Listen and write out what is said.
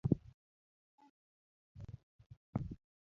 Mano osemiyo ji ok